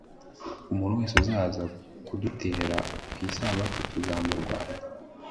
umuntu wese uzaza kudutera ku isabato, tuzamurwanye